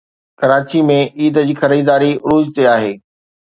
ڪراچي ۾ عيد جي خريداري عروج تي آهي